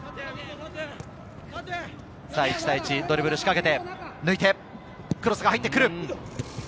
１対１、ドリブル仕掛けて、抜いて、クロスが入ってくる。